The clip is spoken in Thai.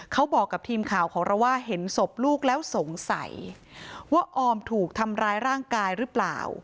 เขาบอกกับทีมข่าวของเราว่าเห็นศพลูกแล้วสงสัยว่าออมถูกทำร้ายร่างกายหรือเปล่า